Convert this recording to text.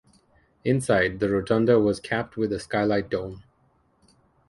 Inside, the rotunda was capped with a skylight dome.